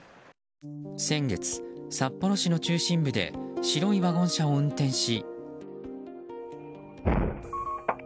先月、札幌市の中心部で白いワゴン車を運転し。